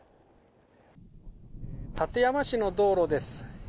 館山市の道路です。